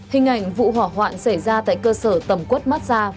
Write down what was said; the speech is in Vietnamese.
hình ảnh vụ hỏa hoạn xảy ra tại cơ sở tầm quất massage